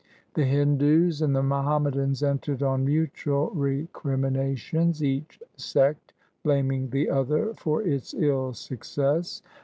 The Hindus and the Muhammadans entered on mutual recrimina tions, each sect blaming the other for its ill success.